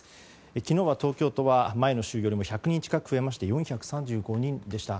昨日は東京都は前の週よりも１００人近く増えまして４３５人でした。